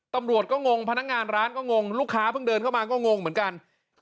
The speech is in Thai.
ตำรวจก็งงพนักงานร้านก็งงลูกค้าเพิ่งเดินเข้ามาก็งงเหมือนกัน